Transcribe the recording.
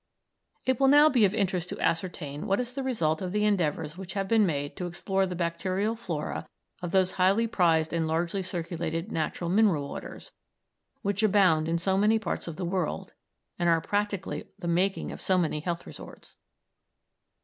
It will now be of interest to ascertain what is the result of the endeavours which have been made to explore the bacterial flora of those highly prized and largely circulated natural mineral waters, which abound in so many parts of the world and are practically the making of so many health resorts.